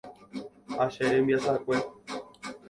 Ache rembiasakue.